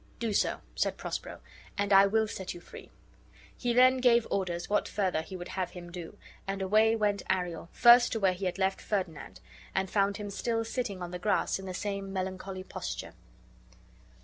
"Do so," said Prospero, "and I will set you free." He then gave orders what further he would have him do; and away went Ariel, first to where he had left Ferdinand, and found him still sitting on the grass in the same melancholy posture.